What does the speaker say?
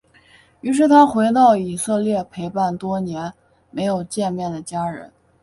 于是他回到以色列陪伴多年没有见面的家人。